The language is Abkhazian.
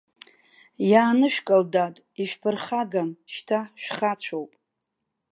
Иаанышәкыл, дад, ишәԥырхагам, шьҭа шәхацәоуп.